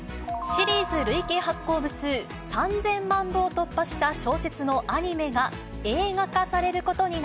シリーズ累計発行部数３０００万部を突破した小説のアニメが映画